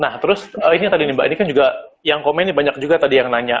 nah terus ini tadi nih mbak ini kan juga yang komennya banyak juga tadi yang nanya